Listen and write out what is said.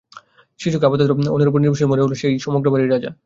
শিশুকে আপাতত অন্যের উপর নির্ভরশীল বলে মনে হলেও, সে-ই সমগ্র বাড়ীর রাজা।